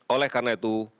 oleh karena itu